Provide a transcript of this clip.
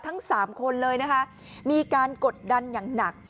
ทั้งสามคนเลยนะคะมีการกดดันอย่างหนัก